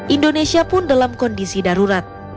indonesia pun dalam kondisi darurat